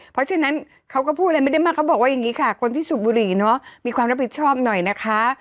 เพราะฉะนั้นเขาก็พูดอะไรไม่ได้มากเขาบอกว่าอย่างนี้ค่ะคนที่สูบบุหรี่เนอะมีความรับผิดชอบหน่อยนะคะ